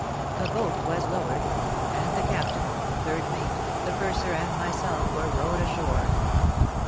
A boat was lowered; and the captain, the third mate, the purser, and myself were rowed ashore.